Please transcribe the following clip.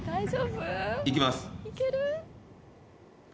いきます。